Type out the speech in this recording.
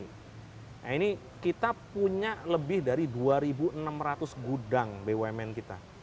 nah ini kita punya lebih dari dua enam ratus gudang bumn kita